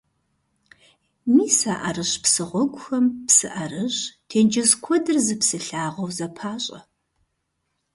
Мис а ӀэрыщӀ псы гъуэгухэм псы ӀэрыщӀ, тенджыз куэдыр зы псы лъагъуэу зэпащӀэ.